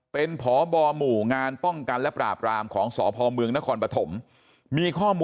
เป็นพบมู่งานป้องกันและปราบรามของสมนครปฐม